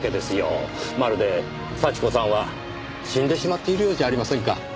まるで幸子さんは死んでしまっているようじゃありませんか。